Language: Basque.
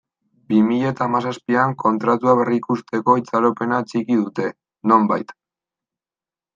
Bi mila eta hamazazpian Kontratua berrikusteko itxaropena atxiki dute, nonbait.